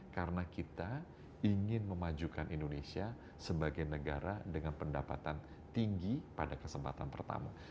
karena kita ingin memajukan indonesia sebagai negara dengan pendapatan tinggi pada kesempatan pertama